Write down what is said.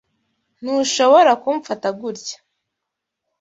Ntushobora kumfata gutya.